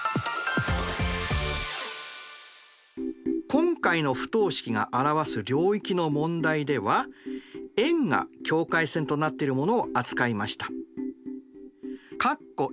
今回の不等式が表す領域の問題では円が境界線となってるものを扱いました。